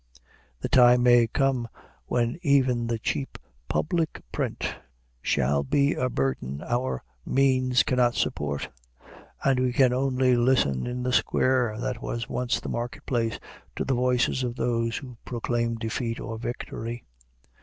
The time may come when even the cheap public print shall be a burden our means cannot support, and we can only listen in the square that was once the market place to the voices of those who proclaim defeat or victory.